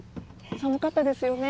寒かったですよね。